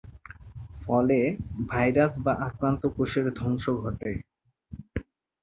ফলে ভাইরাস বা আক্রান্ত কোষের ধ্বংস ঘটে।